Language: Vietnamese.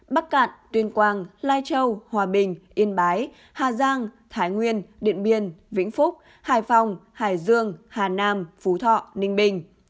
bắc cạn tuyên quang lai châu hòa bình yên bái hà giang thái nguyên điện biên vĩnh phúc hải phòng hải dương hà nam phú thọ ninh bình